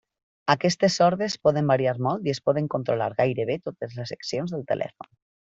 Aquestes ordes poden variar molt i es poden controlar gairebé totes les seccions del telèfon.